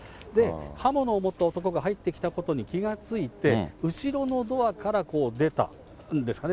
刃物を持った男が入ってきたことに気が付いて、後ろのドアから出たんですかね。